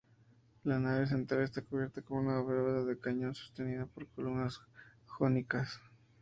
La nave central está cubierta con una bóveda de cañón sostenida por columnas jónicas.